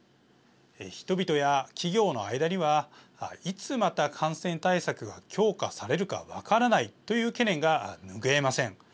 人々や企業の間にはいつ、また感染対策が強化されるか分からないという懸念が拭えません。